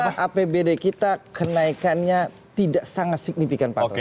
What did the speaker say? ternyata apbd kita kenaikannya tidak sangat signifikan pak rudi